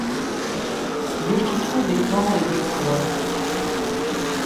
Méfie-toi des vents et des courants.